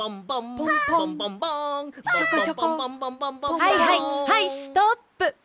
はいはいはいストップ！